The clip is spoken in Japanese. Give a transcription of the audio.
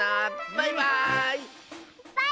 バイバーイ！